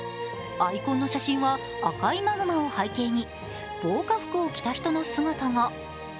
アイコンの写真は赤いマグマを背景に防火服を着た人の姿が。